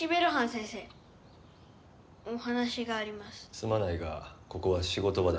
すまないがここは仕事場だ。